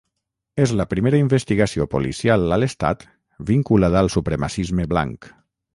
És la primera investigació policial a l’estat vinculada al supremacisme blanc.